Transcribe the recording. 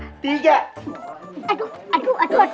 aduh aduh aduh